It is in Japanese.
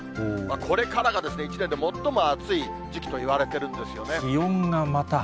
これからが一年で最も暑い時期といわれてるんですよね。